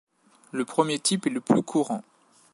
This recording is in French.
Le premier type est le plus courant.